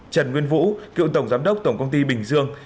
trần nguyên vũ cựu tổng giám đốc tổng công ty bình dương